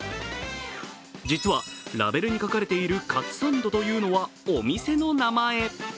実はラベルに書かれているカツサンドというのはお店の名前。